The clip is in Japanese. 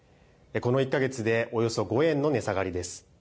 この１か月でおよそ５円の値下がりです。